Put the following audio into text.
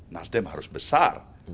nasdem harus besar